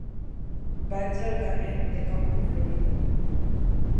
Vaig al carrer de Campo Florido.